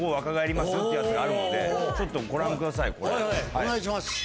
お願いします。